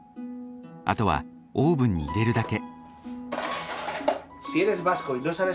あとはオーブンに入れるだけ。